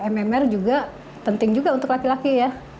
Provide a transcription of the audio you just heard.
mmr juga penting juga untuk laki laki ya